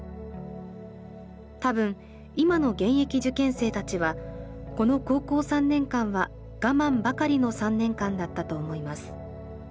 多分今の現役受験生達はこの高校３年間は我慢ばかりの３年間だったと思います。